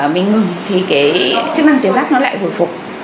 mình ngừng thì cái chức năng tuyến giáp nó lại hồi phục